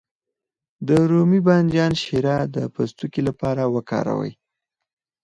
د رومي بانجان شیره د پوستکي لپاره وکاروئ